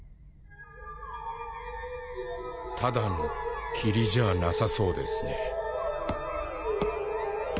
ただの霧じゃなさそうですね。